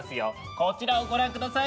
こちらをご覧ください。